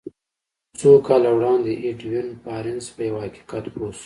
څو کاله وړاندې ايډوين بارنس په يوه حقيقت پوه شو.